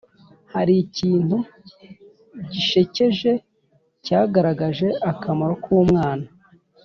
Hari ikintu gishekeje cyagaragaje akamaro kumwana.